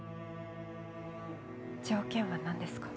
条件はなんですか？